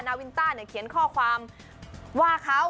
นาวินต้าเนี่ยเขียนข้อความว่าเขา